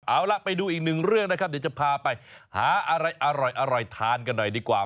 เอาล่ะไปดูอีกหนึ่งเรื่องนะครับเดี๋ยวจะพาไปหาอะไรอร่อยทานกันหน่อยดีกว่า